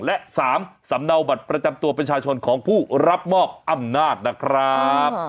และ๓สำเนาบัตรประจำตัวประชาชนของผู้รับมอบอำนาจนะครับ